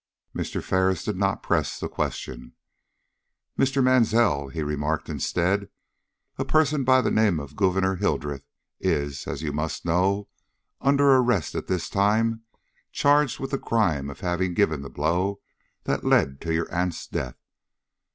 Mr. Ferris did not press the question. "Mr. Mansell," he remarked instead, "a person by the name of Gouverneur Hildreth is, as you must know, under arrest at this time, charged with the crime of having given the blow that led to your aunt's death.